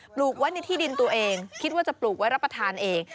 ลูกไว้ในที่ดินตัวเองคิดว่าจะปลูกไว้รับประทานเอง